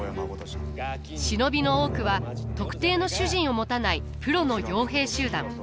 忍びの多くは特定の主人を持たないプロの傭兵集団。